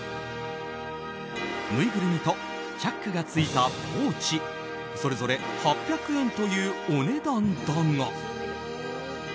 ぬいぐるみとチャックが付いたポーチそれぞれ８００円というお値段だが。